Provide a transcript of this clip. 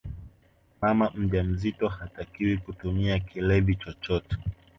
mama mjamzito hatakiwi kutumia kilevi chochote